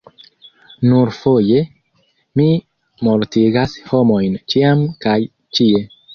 "Nur foje? Mi mortigas homojn ĉiam kaj ĉie."